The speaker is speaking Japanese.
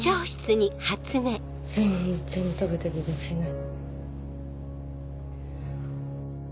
全然食べた気がしない。